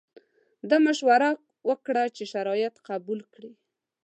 ده مشوره ورکړه چې شرایط قبول کړي.